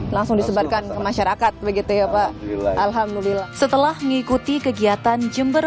langsung disebarkan ke masyarakat begitu ya pak alhamdulillah setelah mengikuti kegiatan jember